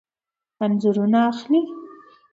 انځورونه اخلئ؟